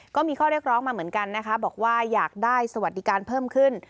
ก็มีข้อเรียกร้องมาเหมือนกันนะคะบอกว่าอยากได้สวัสดิการเพิ่มขึ้น